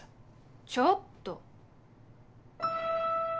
ちょっと。